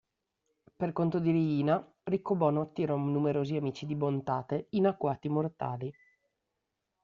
Per conto di Riina, Riccobono attirò numerosi amici di Bontate in agguati mortali.